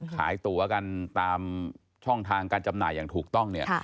ตัวกันตามช่องทางการจำหน่ายอย่างถูกต้องเนี่ย